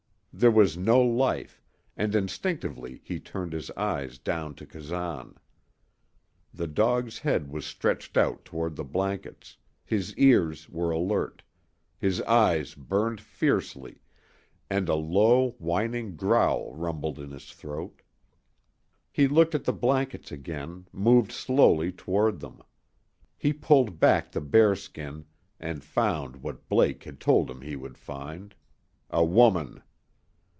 There was no life, and instinctively he turned his eyes down to Kazan. The dog's head was stretched out toward the blankets, his ears were alert, his eyes burned fiercely, and a low, whining growl rumbled in his throat. He looked at the blankets again, moved slowly toward them. He pulled back the bearskin and found what Blake had told him he would find a woman.